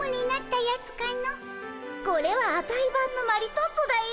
これはアタイばんのマリトッツォだよ。